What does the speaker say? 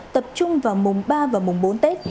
tập trung vào mùng ba và mùng bốn tết